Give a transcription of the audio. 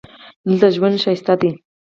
دلته ژوند ښکلی دی.